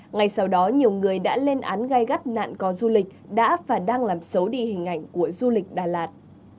ngay sau đó nhiều người đã lên án gai gắt nạn co du lịch đã và đang làm xấu đi hình ảnh của du lịch đà lạt